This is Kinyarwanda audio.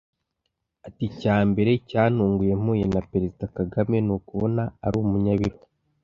ati "Icya mbere cyantunguye mpuye na Perezida Kagame ni ukubona ari umunyabiro